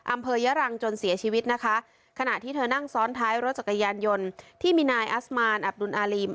อำเภอยะรังจนเสียชีวิตนะคะขณะที่เธอนั่งซ้อนท้ายรถจักรยานยนต์ที่มีนายอัสมานอับดุลอารีม